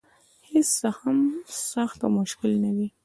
هېڅ څه هم سخت او مشکل نه دي.